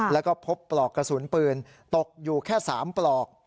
แล้วก็พบปลอกกระสุนปืนตกอยู่แค่๓ปลอก